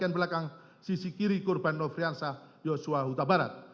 dan di salah bagian belakang sisi kiri korban lovrianza joshua utabarat